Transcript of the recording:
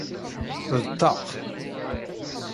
D ṭṭaq.